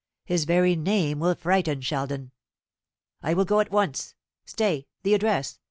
His very name will frighten Sheldon." "I will go at once. Stay the address!